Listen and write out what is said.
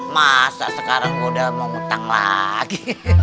masa sekarang udah mau ngutang lagi